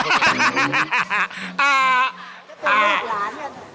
แต่ลูกหลานนะสังคม